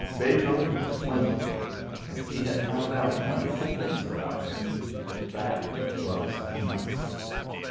Beethoven was wonderful, and he had found out wonderful things about him: that was enough.